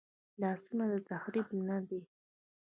لاسونه د تخریب نه دي